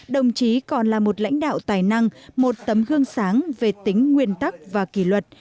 đồng chí còn là một lãnh đạo tài năng một tấm gương sáng về tính nguyên tắc và kỷ luật